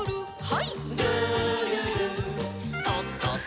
はい。